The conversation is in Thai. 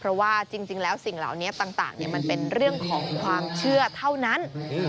เพราะว่าจริงแล้วสิ่งเหล่านี้ต่างมันเป็นเรื่องของความเชื่อเท่านั้น